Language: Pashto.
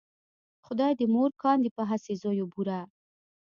خدای دې مور کاندې په هسې زویو بوره